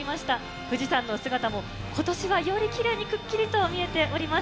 富士山の姿も、今年はよりきれいに、くっきりと見えております。